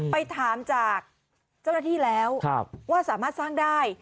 ไปถามจากเจ้าหน้าที่แล้วว่าสามารถสร้างได้